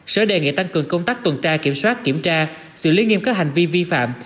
sở đề nghị tăng cường công tác tuần tra kiểm soát kiểm tra xử lý nghiêm các hành vi vi phạm